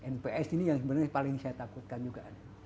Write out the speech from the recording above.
nps ini yang sebenarnya paling saya takutkan juga